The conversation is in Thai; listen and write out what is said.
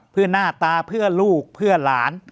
เพื่อหน้าตาเพื่อลูกเพื่อหลาน